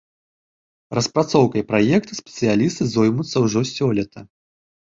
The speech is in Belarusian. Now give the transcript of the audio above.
Распрацоўкай праекта спецыялісты зоймуцца ўжо сёлета.